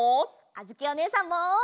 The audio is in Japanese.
あづきおねえさんも！